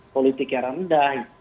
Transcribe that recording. politik yang rendah